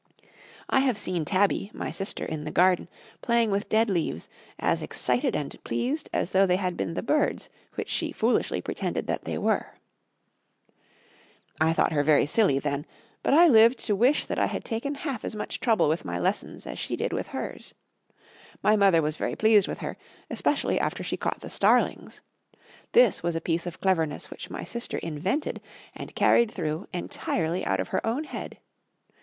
I have seen Tabby, my sister, in the garden, playing with dead leaves, as excited and pleased as though they had been the birds which she foolishly pretended that they were. I thought her very silly then, but I lived to wish that I had taken half as much trouble with my lessons as she did with hers. My mother was very pleased with her, especially after she caught the starlings. This was a piece of cleverness which my sister invented and carried through entirely out of her own head.